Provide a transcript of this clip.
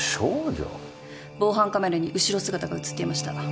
防犯カメラに後ろ姿が写っていました。